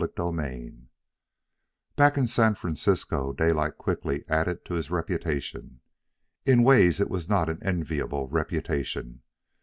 CHAPTER V Back in San Francisco, Daylight quickly added to his reputation In ways it was not an enviable reputation.